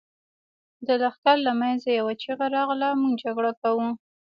د لښکر له مينځه يوه چيغه راغله! موږ جګړه کوو.